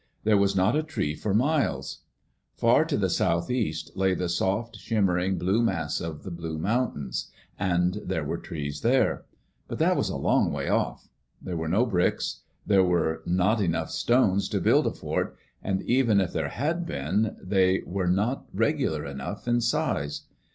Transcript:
There was not a tree for miles. Far to the southeast lay the soft, shimmering blue mass of the Blue Mountains, and there were trees there. But that was a long way off. There were no bricks; there were not enough stones to build a fort, and even if there had been, they were not regular enough in size.